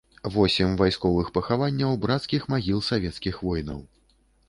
Восем вайсковых пахаванняў брацкіх магіл савецкіх воінаў.